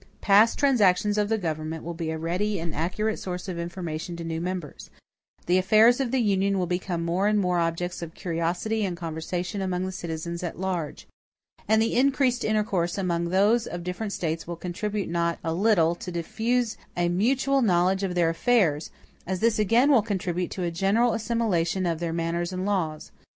Past transactions of the government will be a ready and accurate source of information to new members. The affairs of the Union will become more and more objects of curiosity and conversation among the citizens at large. And the increased intercourse among those of different States will contribute not a little to diffuse a mutual knowledge of their affairs, as this again will contribute to a general assimilation of their manners and laws.